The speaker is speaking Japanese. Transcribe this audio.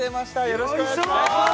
よろしくお願いします